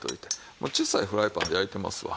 まあ小さいフライパンで焼いてますわ。